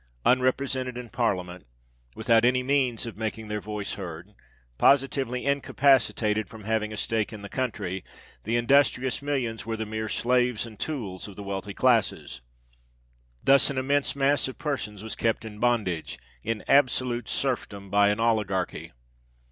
Unrepresented in Parliament—without any means of making their voice heard—positively incapacitated from having a stake in the country, the industrious millions were the mere slaves and tools of the wealthy classes. Thus an immense mass of persons was kept in bondage—in absolute serfdom by an oligarchy.